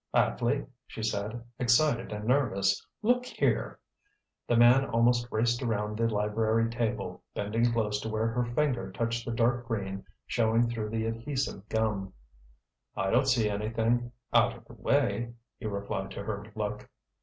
"Atley," she said, excited and nervous. "Look here!" The man almost raced around the library table, bending close to where her finger touched the dark green showing through the adhesive gum. "I don't see anything—out of the way," he replied to her look.